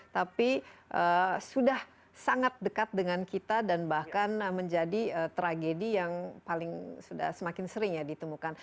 tapi sudah sangat dekat dengan kita dan bahkan menjadi tragedi yang paling sudah semakin sering ya ditemukan